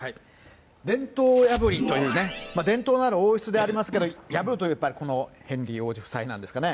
伝統破りというね、伝統のある王室でありますけど、破るというとやっぱりヘンリー王子夫妻なんですかね。